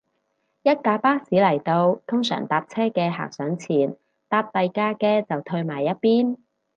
一架巴士嚟到，通常搭車嘅行上前，搭第架嘅就褪埋一邊